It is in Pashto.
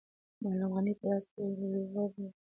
معلم غني په لاس کې لور نیولی دی.